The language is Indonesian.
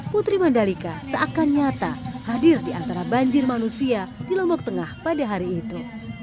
putri mandalika seakan nyata hadir di antara banjir manusia di lombok tengah pada hari itu